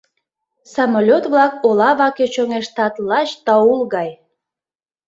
Самолёт-влак ола ваке чоҥештат лач таул гай.